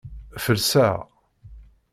Felseɣ.